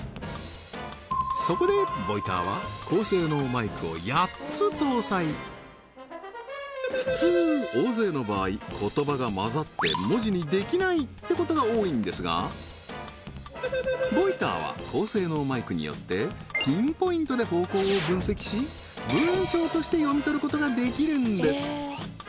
そこでＶＯＩＴＥＲは高性能マイクを８つ搭載普通大勢の場合言葉がまざって文字にできないってことが多いんですがＶＯＩＴＥＲは高性能マイクによってピンポイントで方向を分析し文章として読み取ることができるんです